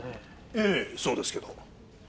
ええそうですけど。